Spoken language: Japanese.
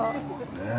ねえ。